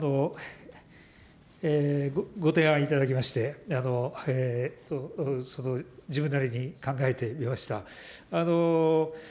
ご提案いただきまして、自分なりに考えてみました。